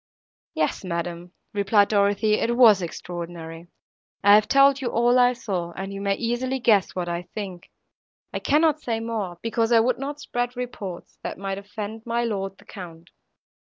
"Yes, madam," replied Dorothée, "it was extraordinary; I have told you all I saw, and you may easily guess what I think, I cannot say more, because I would not spread reports, that might offend my lord the Count."